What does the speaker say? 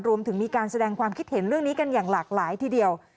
รวมถึงมีการแสดงความคิดเห็นเรื่องนี้กันอย่างหลากหลายทีเดียว